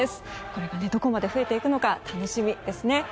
これがどこまで増えていくのか楽しみですね。